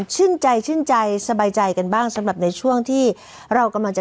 ชื่นใจชื่นใจสบายใจกันบ้างสำหรับในช่วงที่เรากำลังจะ